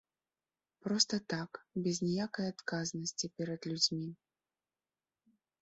Проста так, без ніякай адказнасці перад людзьмі.